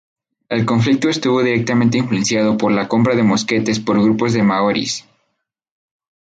El conflicto estuvo directamente influenciado por la compra de mosquetes por grupos de maoríes.